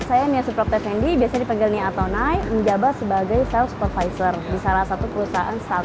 saya niasi protesendi biasa dipanggil nia atonai menjabat sebagai sales supervisor di salah satu perusahaan startup